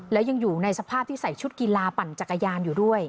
และยังอยู่ในสภาพที่ใส่ชุดกีฬาปั่นจักรยานอยู่ด้วย